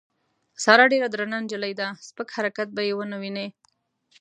ساره ډېره درنه نجیلۍ ده سپک حرکت به یې ونه وینې.